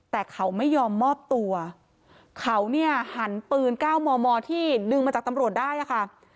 แต่เขาไม่ยอมมอบตัวเขาเนี่ยหันปืน๙มมที่ดึงมาจากตำรวจได้อะค่ะ